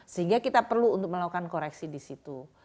sehingga kita perlu untuk melakukan koreksi di situ